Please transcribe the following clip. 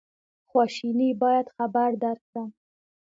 خواشیني باید خبر درکړم.